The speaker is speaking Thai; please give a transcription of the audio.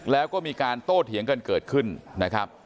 แล้วก็มีการโต้เถียงกันเกิดขึ้นนะครับ